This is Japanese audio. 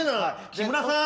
「木村さん